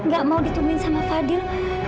gak mau ditumen sama fadil